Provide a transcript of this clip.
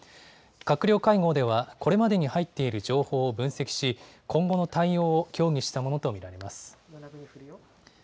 閣僚会合ではこれまでに入っている情報を分析し、今後の対応を協議したものと見られます。